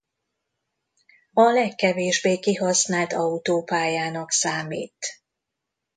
A legkevésbé kihasznált autópályának számít.